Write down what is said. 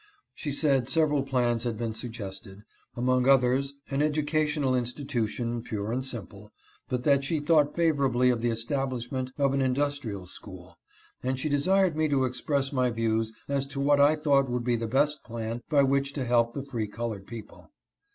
She said several plans had been suggested, among others an educational institution pure and simple, but that she thought favorably of the establishment of an industrial school; and she desired me to express mj views as to what I thought would be the best plan by which to help the free colored people.